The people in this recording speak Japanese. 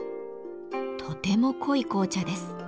とても濃い紅茶です。